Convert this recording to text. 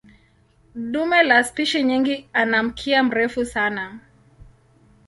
Dume la spishi nyingi ana mkia mrefu sana.